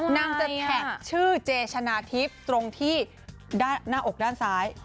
นางจะแท็กชื่อเจชนะทิพย์ตรงที่หน้าอกด้านซ้าย